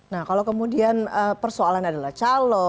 nah kalau kemudian persoalan adalah calo